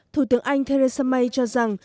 thủ tướng anh theresa may cho rằng